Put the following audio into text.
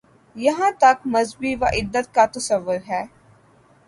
جہاں تک مذہبی وحدت کا تصور ہے۔